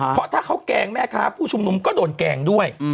เพราะถ้าเขาแกล้งแม่ค้าผู้ชุมนุมก็โดนแกล้งด้วย